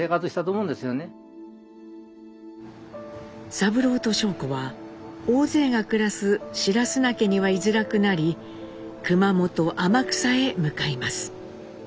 三郎と尚子は大勢が暮らす白砂家にはいづらくなり熊本天草へ向かいます。